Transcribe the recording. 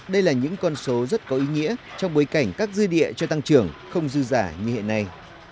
đây là những con số rất có ý nghĩa trong bối cảnh các dư địa cho tăng trưởng không dư giả như hiện nay